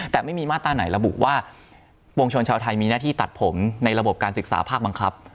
แต่ไม่มีมาตราไหนระบุว่าปวงชนชาวไทยมีหน้าที่ตัดผมในระบบการศึกษาภาคบังคับ